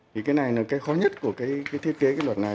thì cái này là cái khó nhất của thiết kế luật này